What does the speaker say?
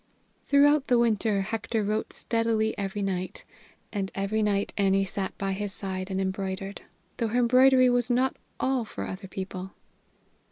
Throughout the winter Hector wrote steadily every night, and every night Annie sat by his side and embroidered though her embroidery was not all for other people.